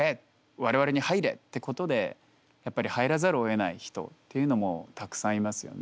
「我々に入れ！」ってことでやっぱり入らざるをえない人っていうのもたくさんいますよね。